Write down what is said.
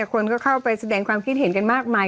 คนก็เข้าไปแสดงความคิดเห็นกันมากมาย